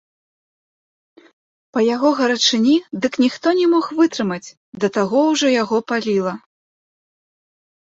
Па яго гарачыні дык ніхто не мог вытрымаць, да таго ўжо яго паліла.